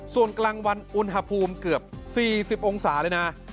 ส่วนกลางวันอุณหภูมิเกือบ๔๐องศาเลยนะ